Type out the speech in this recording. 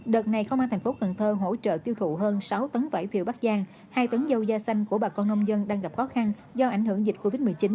đợt này công an thành phố cần thơ hỗ trợ tiêu thụ hơn sáu tấn vải thiều bắc giang hai tấn dâu da xanh của bà con nông dân đang gặp khó khăn do ảnh hưởng dịch covid một mươi chín